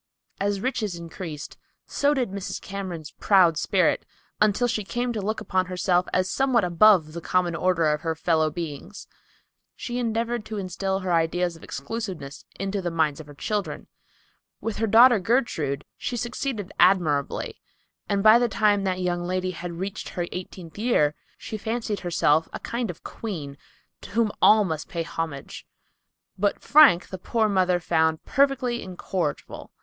As riches increased, so did Mrs. Cameron's proud spirit, until she came to look upon herself as somewhat above the common order of her fellow beings. She endeavored to instil her ideas of exclusiveness into the minds of her children. With her daughter Gertrude, she succeeded admirably, and by the time that young lady had reached her eighteenth year, she fancied herself a kind of queen to whom all must pay homage. But Frank the poor mother found perfectly incorrigible.